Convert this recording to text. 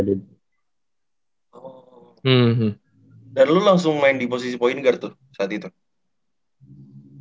dan lu langsung main di posisi point guard tuh saat itu